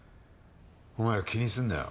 お前ら気にするなよ。